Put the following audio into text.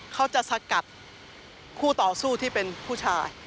เขาจะสกัดคู่ต่อสู้ที่เป็นผู้ชาย